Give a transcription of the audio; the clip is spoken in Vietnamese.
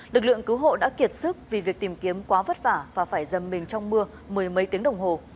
lực lượng cứu hộ đã kiệt sức vì việc tìm kiếm quá vất vả và phải dầm mình trong mưa mười mấy tiếng đồng hồ